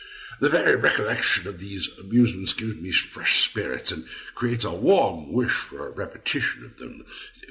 The very recollection of those amusements gives me fresh spirits, and creates a warm wish for a repetition of them.